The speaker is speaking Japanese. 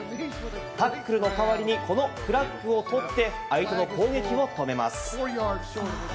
タックルの代わりにこのフラッグを取って相手の攻撃を止めます。